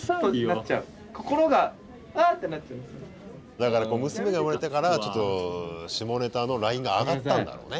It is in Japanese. だから娘が生まれたからちょっと下ネタのラインが上がったんだろうね。